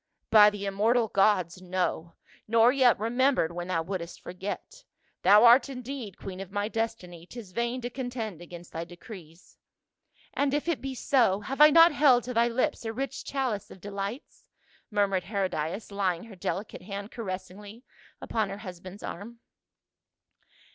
" By the immortal gods, no ; nor yet remembered when thou wouldst forget. Thou art indeed queen of my destiny; 'tis vain to contend against thy decrees." IIEBODIAS. 151 " And if it be so, have I not held to thy hps a rich chalice of delights?" murmured Herodias, laying her delicate hand caressingly upon her husband's arm.